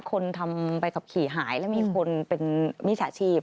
คนทำใบขับขี่หายแล้วมีคนเป็นมิจฉาชีพ